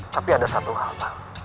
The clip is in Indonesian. tapi ada satu hal